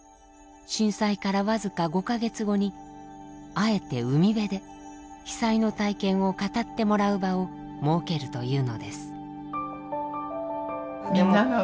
震災から僅か５か月後にあえて海辺で被災の体験を語ってもらう場を設けるというのです。